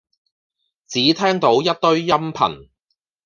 只聽到一堆音頻